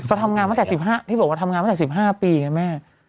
ก็ทำงานตั้งแต่๑๕ที่บอกว่าทำงานตั้งแต่๑๕ปีไงแม่